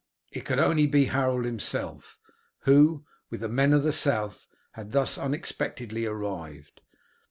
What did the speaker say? It could only be Harold himself who, with the men of the South, had thus unexpectedly arrived.